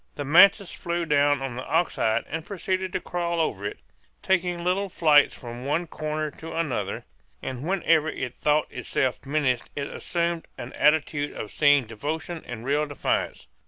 The mantis flew down on the ox hide and proceeded to crawl over it, taking little flights from one corner to another; and whenever it thought itself menaced it assumed an attitude of seeming devotion and real defiance.